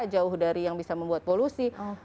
jauh dari yang bisa membuat polusi